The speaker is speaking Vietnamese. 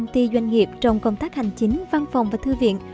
trong công tác hành chính văn phòng và thư viện